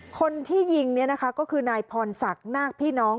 คนที่ยิงเนี่ยนะคะก็คือนายพรศักดิ์นาคพี่น้อง